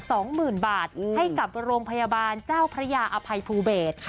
สองหมื่นบาทให้กับโรงพยาบาลเจ้าพระยาอภัยภูเบศค่ะ